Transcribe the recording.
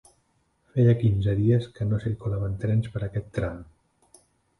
Feia quinze dies que no circulaven trens per aquest tram